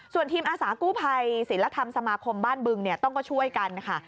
ส่วนทีมอาสากู้ภัยศิลธรรมสมาคมบ้านบึงต้องก็ช่วยกันค่ะ